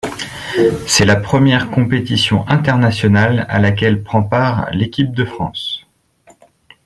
C'est la première compétition internationale à laquelle prend part l'équipe de France.